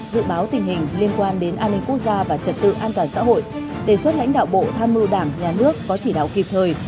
dự báo tình hình liên quan đến an ninh quốc gia và trật tự an toàn xã hội đề xuất lãnh đạo bộ tham mưu đảng nhà nước có chỉ đạo kịp thời